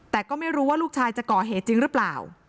แต่ก็ไม่รู้ว่าลูกชายจะก่อเหตุจริงหรือเปล่า